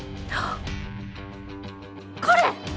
これ！